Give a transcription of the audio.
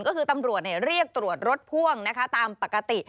ก็คือตำรวจเรียกตรวจรถพ่วงนะคะตามปกติ